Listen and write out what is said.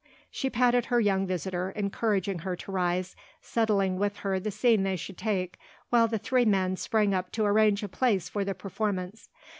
She patted her young visitor, encouraging her to rise, settling with her the scene they should take, while the three men sprang up to arrange a place for the performance.